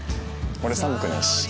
俺寒くないし。